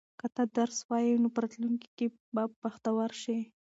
که ته درس ووایې نو په راتلونکي کې به بختور شې.